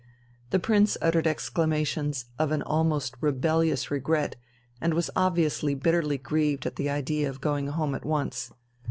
The Prince uttered exclamations of an almost rebellious regret and was obviously bitterly grieved at the idea of going home at once.